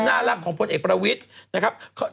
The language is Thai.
มุมน่ารักของพลเอกประวิทย์นะครับ